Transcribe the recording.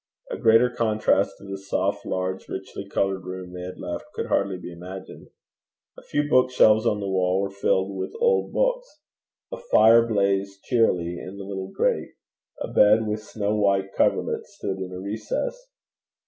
A greater contrast to the soft, large, richly coloured room they had left could hardly be imagined. A few bookshelves on the wall were filled with old books. A fire blazed cheerily in the little grate. A bed with snow white coverlet stood in a recess.